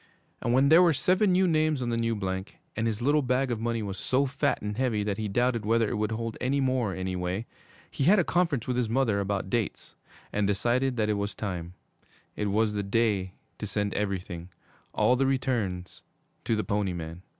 And when there were seven new names on the new blank, and his little bag of money was so fat and heavy that he doubted whether it would hold any more, anyway, he had a conference with his mother about dates, and decided that it was time it was the day to send everything all the returns to the Pony Man.